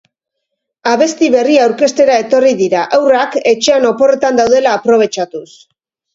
Abesti berria aurkeztera etorri dira, haurrak etxean oporretan daudela aprobetxatuz.